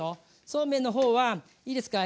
そうめんの方はいいですか。